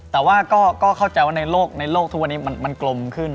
แต่ว่าก็เข้าใจว่าในโลกทุกวันนี้มันกลมขึ้น